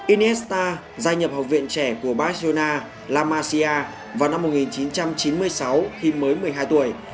inesta gia nhập học viện trẻ của barcelona la masia vào năm một nghìn chín trăm chín mươi sáu khi mới một mươi hai tuổi